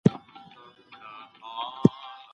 صداقت زړه روښانه ساتي.